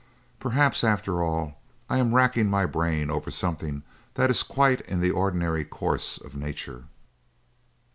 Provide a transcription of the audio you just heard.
Perhaps, after all, I am racking my brain over something that is quite in the ordinary course of nature."